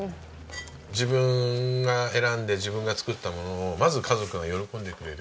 自分が選んで自分が作ったものをまず家族が喜んでくれる。